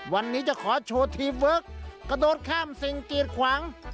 วันนี้จะขอโชว์ทีมเวิร์คกระโดดข้ามสิ่งกีดขวาง